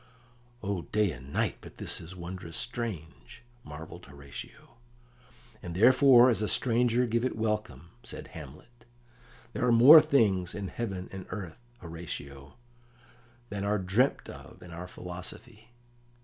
"O day and night, but this is wondrous strange!" marvelled Horatio. "And therefore as a stranger give it welcome," said Hamlet. "There are more things in heaven and earth, Horatio, than are dreamt of in our philosophy."